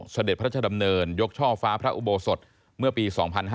เสด็จพระราชดำเนินยกช่อฟ้าพระอุโบสถเมื่อปี๒๕๕๙